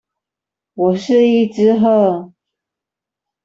我是一隻鶴